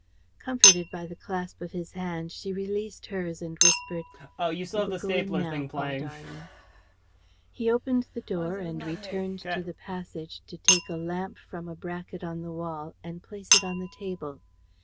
Comforted by the clasp of his hand, she released hers and whispered: "We will go in now, Paul darling." He opened the door and returned to the passage to take a lamp from a bracket on the wall and place it on the table.